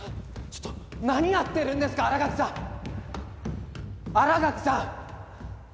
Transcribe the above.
ちょっと何やってるんですか新垣さん新垣さん！